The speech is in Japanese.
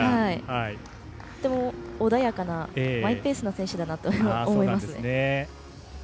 とても穏やかなマイペースな選手だと思います。